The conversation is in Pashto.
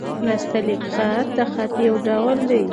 نستعلیق خط؛ د خط يو ډول دﺉ.